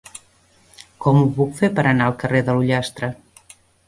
Com ho puc fer per anar al carrer de l'Ullastre?